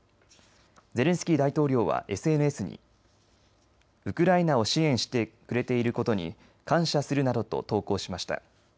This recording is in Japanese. ゼレンスキー大統領はＳＮＳにウクライナを支援してくれていることに感謝するなどと投稿しました。